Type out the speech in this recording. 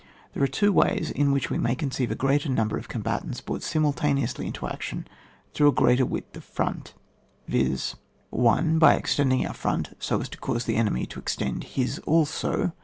There are two ways in which we may conceive a gpreater number of com batants brought simultaneously into action through a greater width of front, viz. :— 1. By extending our front so as to cause the enemy to extend his also.